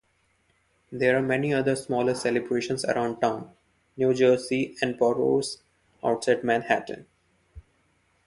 There are many other smaller celebrations around town, New Jersey and boroughs outside Manhattan.